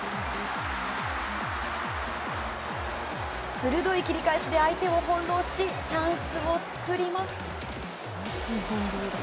鋭い切り返しで相手を翻弄しチャンスを作ります。